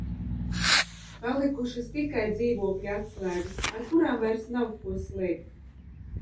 Palikušas tikai dzīvokļa atslēgas, ar kurām vairs nav ko slēgt.